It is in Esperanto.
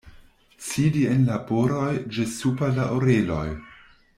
Sidi en laboroj ĝis super la oreloj.